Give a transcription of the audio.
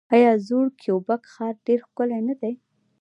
آیا زوړ کیوبیک ښار ډیر ښکلی نه دی؟